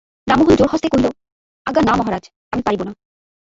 রামমোহন জোড়হস্তে কহিল, আজ্ঞা না মহারাজ, আমি পারিব না।